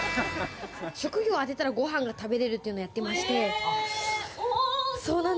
職業を当てたら、ご飯が食べれるというのをやってまして。